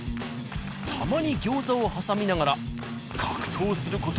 たまに餃子を挟みながら。